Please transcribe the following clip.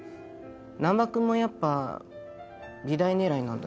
難破君もやっぱ美大狙いなんだろう？